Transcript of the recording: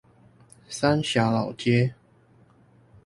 三峽老街